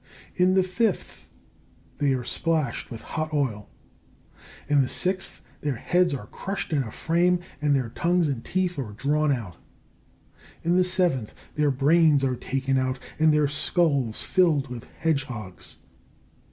In the fifth, they are splashed with hot oil. In the sixth, their heads are crushed in a frame, and their tongues and teeth are drawn out. In the seventh, their brains are taken out and their skulls filled with hedge hogs.